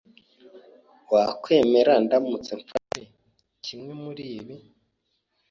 Wakwemera ndamutse mfashe kimwe muribi?